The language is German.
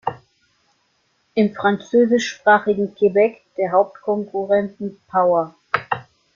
Im französischsprachigen Quebec der Hauptkonkurrenten Power.